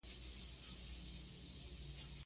بیا یې شال سم کړ او ناوې یې ورو ورو بهر راوویسته